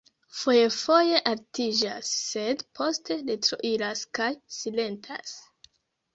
fojfoje altiĝas, sed poste retroiras kaj silentas.